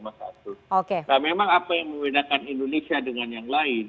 nah memang apa yang membedakan indonesia dengan yang lain